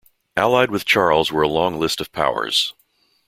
Allied with Charles were a long list of powers.